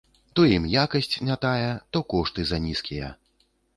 То ім якасць не тая, то кошты занізкія.